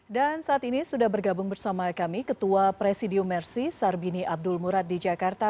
dan saat ini sudah bergabung bersama kami ketua presidium mersi sardini abdul murad di jakarta